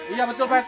iya betul pak rt